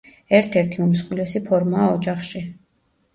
ერთ-ერთი უმსხვილესი ფორმაა ოჯახში.